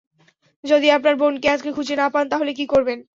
যদি আপনার বোনকে আজকে খুঁজে না পান তাহলে কি করবেন?